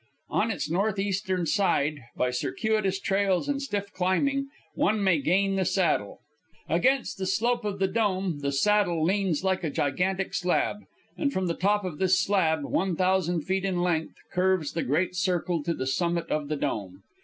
On its northeastern side, by circuitous trails and stiff climbing, one may gain the Saddle. Against the slope of the Dome the Saddle leans like a gigantic slab, and from the top of this slab, one thousand feet in length, curves the great circle to the summit of the Dome.